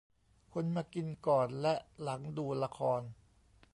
คนมากินก่อนและหลังดูละคร